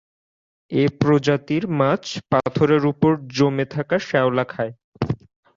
এ প্রজাতির মাছ পাথরের উপরে জমে থাকা শ্যাওলা খায়।